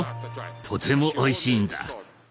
とてもおいしいんだ。